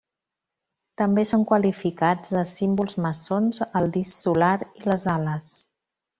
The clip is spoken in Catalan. També són qualificats de símbols maçons el disc solar i les ales.